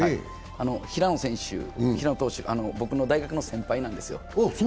平野選手、僕の大学の先輩なんですよ。